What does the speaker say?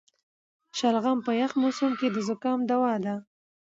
شلغم په یخ موسم کې د زکام دوا ده.